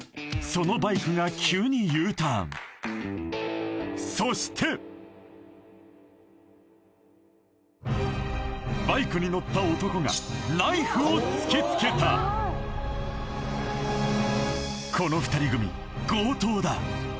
そのバイクが急にそしてバイクに乗った男がナイフを突きつけたこの２人組強盗だ